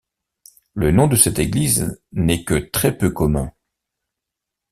Le nom de cette église n'est que très peu commun.